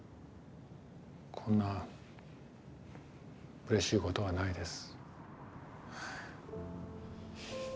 こんなうれしいことはないです。